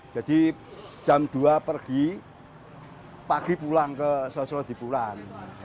jadi jam dua pergi pagi pulang ke sosro dipuran